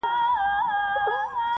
پر دې سیمه نوبهاره چي رانه سې -